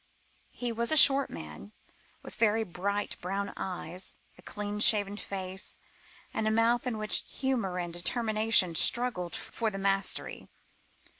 He was a short man, with very bright brown eyes, a clean shaven face, and a mouth in which humour and determination struggled for the mastery.